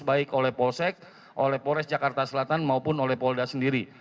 baik oleh polsek oleh polres jakarta selatan maupun oleh polda sendiri